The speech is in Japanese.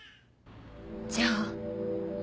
じゃあ。